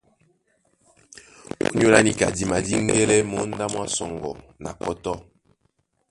Ónyólá níka di madíŋgɛ́lɛ́ mǒndá mwá sɔŋgɔ na kɔ́tɔ́.